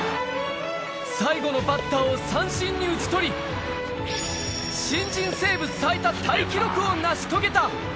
最後のバッターを三振に打ち取り、新人セーブ最多タイ記録を成し遂げた。